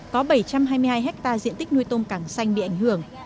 có bảy trăm hai mươi hai hectare diện tích nuôi tôm càng xanh bị ảnh hưởng